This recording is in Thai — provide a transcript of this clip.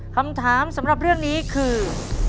คำถามสำหรับเรื่องนี้คือ